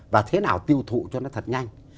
và thế nào tiêu thụ cho nó thật nhanh